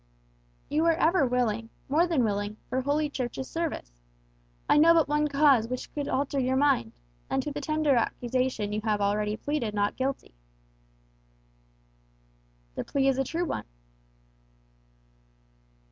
"You were ever willing, more than willing, for Holy Church's service. I know but one cause which could alter your mind; and to the tender accusation you have already pleaded not guilty." "The plea is a true one."